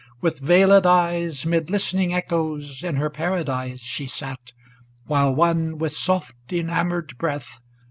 With veiled eyes, 'Mid listening Echoes, in her Paradise She sate, while one, with soft enamoured breath.